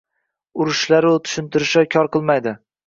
Urinishlaru tushuntirishlar kor qilmayapti.